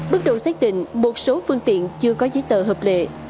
bước đầu xác định một số phương tiện chưa có giấy tờ hợp lệ